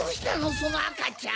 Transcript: そのあかちゃん。